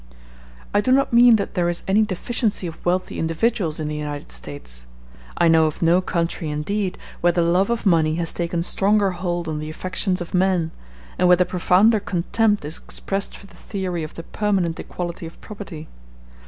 [Footnote d: See Appendix, G.] I do not mean that there is any deficiency of wealthy individuals in the United States; I know of no country, indeed, where the love of money has taken stronger hold on the affections of men, and where the profounder contempt is expressed for the theory of the permanent equality of property.